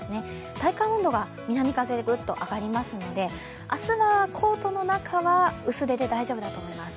体感温度が南風でグッと上がりますので明日はコートの中は薄手で大丈夫だと思います。